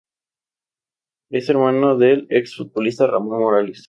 Es hermano del exfutbolista Ramón Morales.